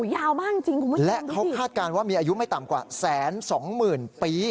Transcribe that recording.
ยาวมากจริงคุณผู้ชมและเขาคาดการณ์ว่ามีอายุไม่ต่ำกว่าแสนสองหมื่นปี